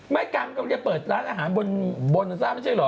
ไม่กันก็จะเปิดร้านอาหารบนนึกทราบไม่ใช่เหรอ